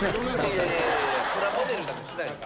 いやいやいやいやプラモデルなんてしないです。